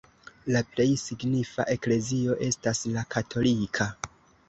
La plej signifa eklezio estas la katolika.